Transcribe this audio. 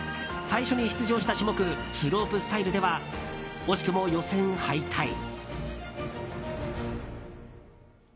最初に出場した種目スロープスタイルでは惜しくも予選敗退。